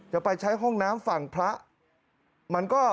จะไปใช้ห้องน้ำฝั่งพระ